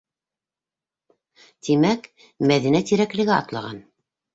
Тимәк, Мәҙинә Тирәклегә атлаған.